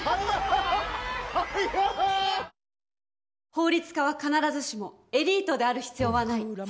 法律家は必ずしもエリートである必要はない。